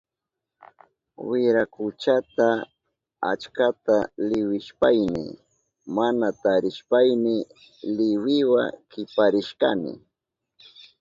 Wirakuchata achkata liwishpayni mana tarishpayni liwiwa kiparishkani.